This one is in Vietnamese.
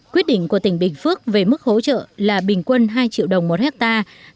quyết định của tỉnh bình phước về mức hỗ trợ là bình quân hai triệu đồng một hectare